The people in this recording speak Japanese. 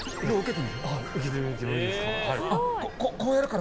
受けてみていいですか。